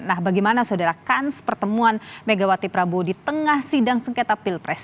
nah bagaimana saudara kans pertemuan megawati prabowo di tengah sidang sengketa pilpres